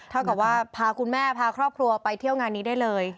เท่ากับว่าพาคุณแม่พาครอบครัวไปเที่ยวงานนี้ได้เลย